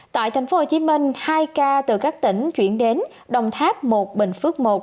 tại tp hcm hai ca từ các tỉnh chuyển đến đồng tháp một bình phước một